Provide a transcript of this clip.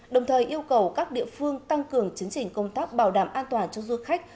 đồng thời yêu cầu các địa phương tăng cường chấn chỉnh công tác bảo đảm an toàn cho du khách